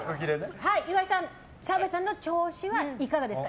岩井さん澤部さんの調子はいかがですか？